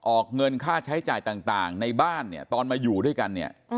ออกเงินค่าใช้จ่ายต่างในบ้านเนี่ยตอนมาอยู่ด้วยกันเนี่ย